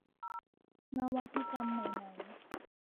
นวัตกรรมใหม่ใหม่